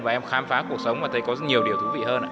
và em khám phá cuộc sống và thấy có nhiều điều thú vị hơn